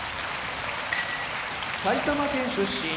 埼玉県出身